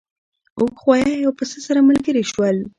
اوښ غوایی او پسه سره ملګري شول.